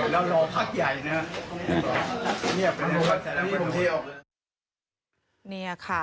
แล้วลอพักใหญ่นะ